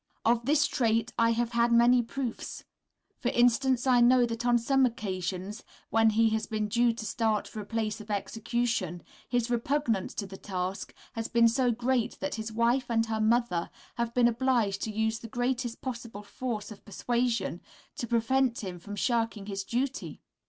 Of this trait I have had many proofs. For instance, I know that on some occasions when he has been due to start for a place of execution, his repugnance to the task has been so great that his wife and her mother have been obliged to use the greatest possible force of persuasion to prevent him shirking his duty.